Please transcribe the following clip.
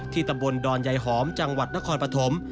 ที่ตะบนดอนไยหอมจังหวัดนครปฐม